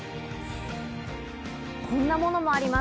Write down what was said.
こんなものもあります。